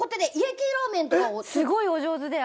すごいお上手で。